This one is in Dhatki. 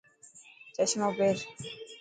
چشمو پير.